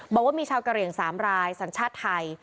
บอกว่ามีชาวกะเหลี่ยง๓รายสัญชาติไทย